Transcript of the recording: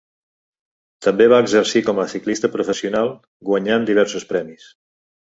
També va exercir com a ciclista professional, guanyant diversos premis.